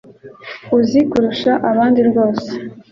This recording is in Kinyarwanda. Uzi kurusha abandi bose.